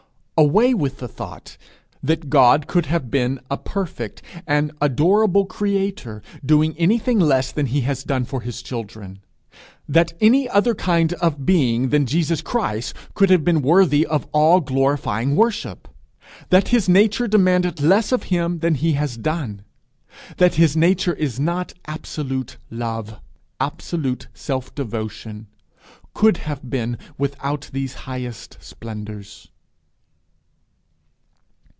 Away with the thought that God could have been a perfect, an adorable creator, doing anything less than he has done for his children! that any other kind of being than Jesus Christ could have been worthy of all glorifying worship! that his nature demanded less of him than he has done! that his nature is not absolute love, absolute self devotion could have been without these highest splendours!